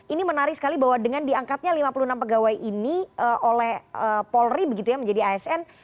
ini menarik sekali bahwa dengan diangkatnya lima puluh enam pegawai ini oleh polri begitu ya menjadi asn